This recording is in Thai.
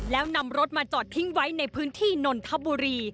แล้วนำรถมาจอดทิ้งไว้ในพื้นที่นนทบุรี